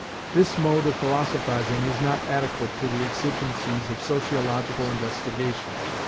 This mode of philosophizing is not adequate to the exigencies of sociological investigation.